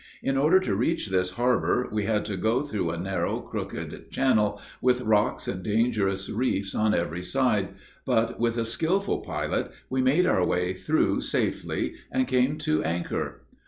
In order to reach this harbor, we had to go through a narrow, crooked channel, with rocks and dangerous reefs on every side, but, with a skillful pilot, we made our way through safely, and came to anchor.